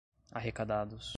arrecadados